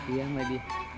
iya sama dia